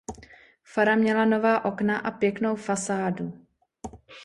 Fara měla nová okna a pěknou fasádu.